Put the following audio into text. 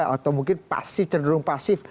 atau mungkin pasti cenderung pasif